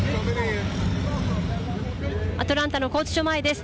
アトランタの拘置所前です。